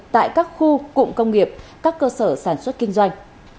tại các khu cụm công nghiệp các cơ sở sản xuất kinh doanh